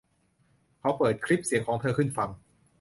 เขาเปิดคลิปเสียงของเธอขึ้นฟัง